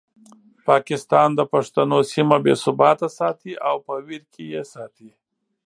پاکستان د پښتنو سیمه بې ثباته ساتي او په ویر کې یې ساتي.